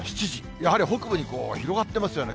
やはり北部にこう、広がっていますよね。